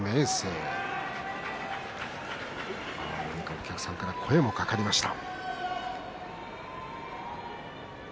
お客さんから声もかかりました。